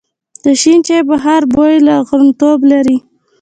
د شین چای بخار بوی لرغونتوب لري.